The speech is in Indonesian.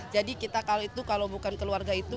jadi kita kalau itu kalau bukan keluarga itu